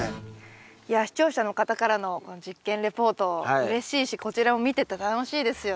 いや視聴者の方からの実験レポートうれしいしこちらも見てて楽しいですよね。